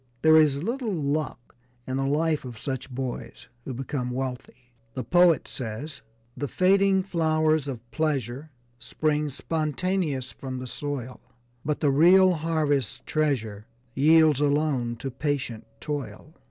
There is little 'luck' in the life of such boys who become wealthy. The poet says: "The fading flowers of pleasures Spring spontaneous from the soil, But the real harvest's treasure Yields alone to patient toil."